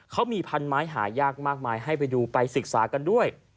เขามีพันไม้หายากมากมายให้ไปดูไปศึกษากันด้วย